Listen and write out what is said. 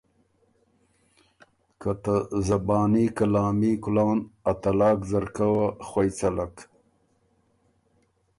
که ته زباني کلامي کلان ا طلاق ځرکه وه خوئ څلک۔